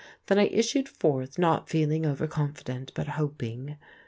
Then I issued forth, not feeling overconfident, but hoping.